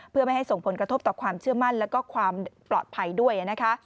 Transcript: เพื่อไม่ให้ส่งผลกระทบต่อความเชื่อมั่นแล้วก็ความปลอดภัยด้วยนะคะ